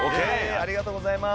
ありがとうございます。